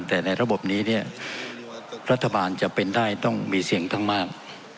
แต่ในระบบนี้เนี่ยรัฐบาลจะเป็นได้ต้องมีเสียงข้างมาก